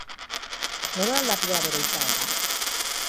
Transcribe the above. Nola aldatu da bere izaera?